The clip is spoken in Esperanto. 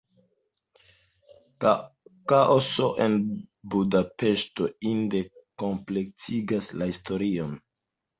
Kaoso en Budapeŝto inde kompletigas la historion.